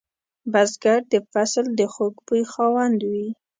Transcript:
بزګر د فصل د خوږ بوی خاوند وي